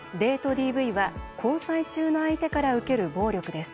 ＤＶは交際中の相手から受ける暴力です。